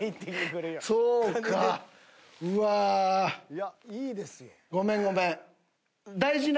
いやいいですよ。